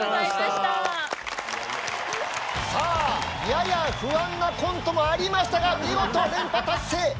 さあやや不安なコントもありましたが見事連覇達成。